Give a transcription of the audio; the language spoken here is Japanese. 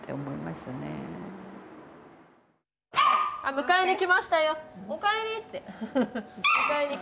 迎えに来ましたよおかえりって。